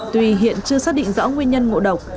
tuy hiện chưa xác định rõ nguyên nhân ngộ độc